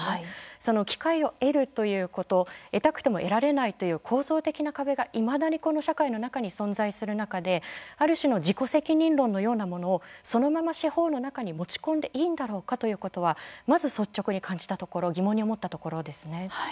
その機会を得るということ得たくても得られないという構造的な壁が、いまだにこの社会の中に存在する中である種の自己責任論のようなものをそのまま司法の中に持ち込んでいいんだろうかということはまず率直に感じたところ疑問に思ったところですね。